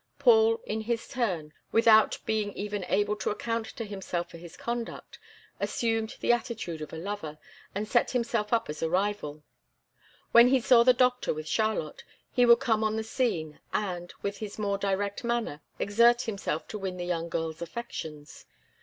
Paul, in his turn, without being even able to account to himself for his conduct, assumed the attitude of a lover, and set himself up as a rival. When he saw the doctor with Charlotte, he would come on the scene, and, with his more direct manner, exert himself to win the young girl's affections.